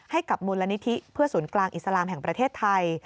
ให้กับมูลนิธิเพื่อศูนย์กลางอิสลามแห่งประเทศไทย